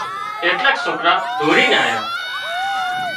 ايٽليڪ سوڪرا ڌوڙينَ آيا